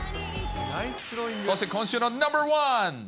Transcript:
そして今週のナンバー１。